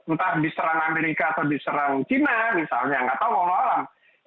entah diserang amerika atau diserang cina misalnya nggak tahu